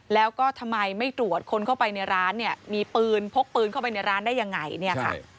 แล้วก็ทำไมไม่ตรวจคนเข้าไปในร้านเนี่ยมีปืนพกปืนเข้าไปในร้านได้ยังไงเนี่ยค่ะ